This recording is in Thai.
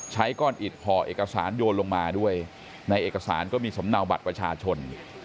ใช้ก้อนอิดห่อเอกสารโยนลงมาด้วยในเอกสารก็มีสำเนาบัตรประชาชน